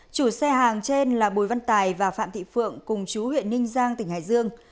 chủ xe hàng trên là bùi văn tài và phạm thị phượng cùng chú huyện ninh giang tỉnh hải dương